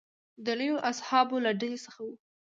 د لویو اصحابو له ډلې څخه و.